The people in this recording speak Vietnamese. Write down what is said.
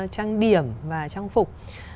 trang điểm và trang phục